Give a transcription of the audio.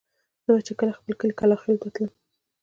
زه به چې کله خپل کلي کلاخېلو ته تللم.